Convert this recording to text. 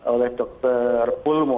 oleh dokter pulmu